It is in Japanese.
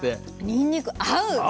にんにく合う。